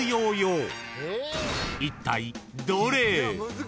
［いったいどれ？］